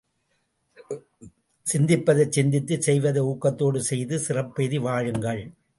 சிந்திப்பதைச் சிந்தித்து, செய்வதை ஊக்கத்தோடு செய்து, சிறப்பெய்தி வாழுங்கள்.